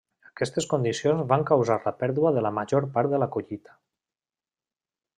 Aquestes condicions van causar la pèrdua de la major part de la collita.